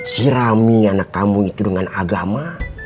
si rami anak kamu itu dengan agama